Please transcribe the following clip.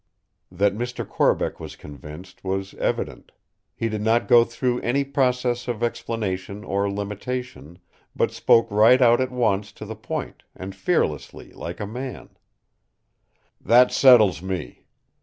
That Mr. Corbeck was convinced was evident. He did not go through any process of explanation or limitation, but spoke right out at once to the point, and fearlessly like a man: "That settles me!